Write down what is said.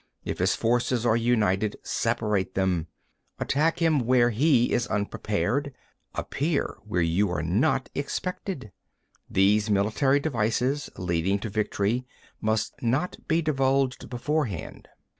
If his forces are united, separate them. 24. Attack him where he is unprepared, appear where you are not expected. 25. These military devices, leading to victory, must not be divulged beforehand.